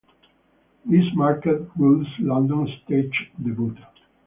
This marked Ruehl's London stage debut.